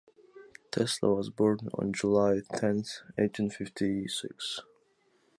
Tesla was born on July tenth eighteen fifty six.